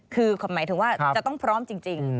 คือหมายถึงว่าจะต้องพร้อมจริง